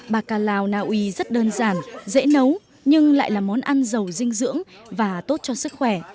bạc ca lao naui rất đơn giản dễ nấu nhưng lại là món ăn giàu dinh dưỡng và tốt cho sức khỏe